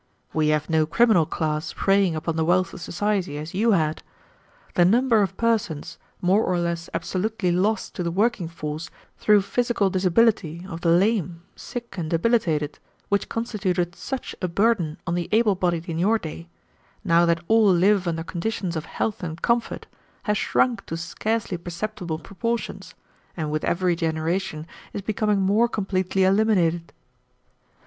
We have no criminal class preying upon the wealth of society as you had. The number of persons, more or less absolutely lost to the working force through physical disability, of the lame, sick, and debilitated, which constituted such a burden on the able bodied in your day, now that all live under conditions of health and comfort, has shrunk to scarcely perceptible proportions, and with every generation is becoming more completely eliminated.